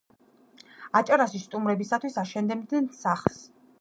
აჭარაში სტუმრებისთვის აშენებდნენ სახლს.